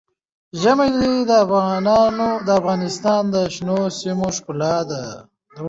ژمی د افغانستان د شنو سیمو ښکلا ده.